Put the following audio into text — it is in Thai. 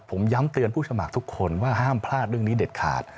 ผมย้ำเตือนผู้สมัครทุกคนว่าห้ามพลาดเรื่องนี้เด็ดขาด